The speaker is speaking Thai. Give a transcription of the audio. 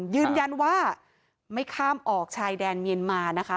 ยืนยันว่าไม่ข้ามออกชายแดนเมียนมานะคะ